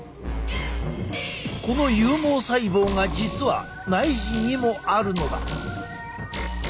この有毛細胞が実は内耳にもあるのだ。